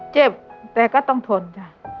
เจ็บแต่ก็ต้องทนจ้ะ